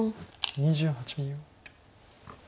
２８秒。